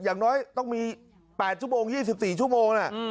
อย่างน้อยต้องมี๘ชั่วโมง๒๔ชั่วโมง